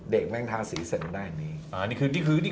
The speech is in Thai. เด็กแม่งทาสีเสือนได้อย่างนี้